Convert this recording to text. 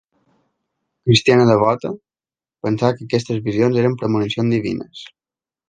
Cristiana devota, pensà que aquestes visions eren premonicions divines.